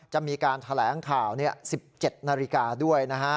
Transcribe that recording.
จะมีการแถลงข่าว๑๗นาฬิกาด้วยนะฮะ